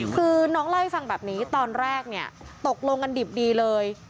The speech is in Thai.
คือน้องเล่าให้ฟังแบบนี้ตอนแรกเนี่ยตกลงกันดิบดีเลย